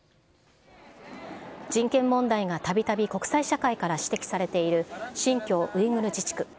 人権問題がたびたび国際社会から指摘されている新疆ウイグル自治区。